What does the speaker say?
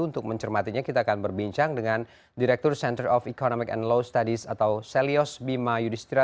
untuk mencermatinya kita akan berbincang dengan direktur center of economic and law studies atau selios bima yudhistira